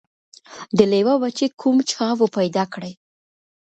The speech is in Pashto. د لېوه بچی کوم چا وو پیدا کړی